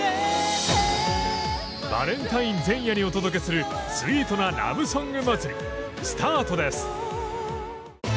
バレンタイン前夜にお届けするスイートなラブソング祭りスタートです！